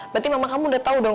berarti mama kamu udah tau dong